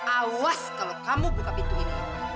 awas kalau kamu buka pintu ini